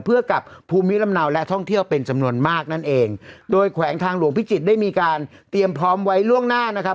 เพื่อกับภูมิลำเนาและท่องเที่ยวเป็นจำนวนมากนั่นเองโดยแขวงทางหลวงพิจิตรได้มีการเตรียมพร้อมไว้ล่วงหน้านะครับ